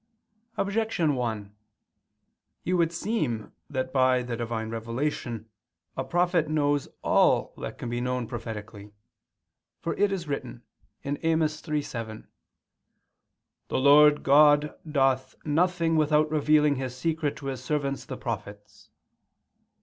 Objection 1: It would seem that by the Divine revelation a prophet knows all that can be known prophetically. For it is written (Amos 3:7): "The Lord God doth nothing without revealing His secret to His servants the prophets."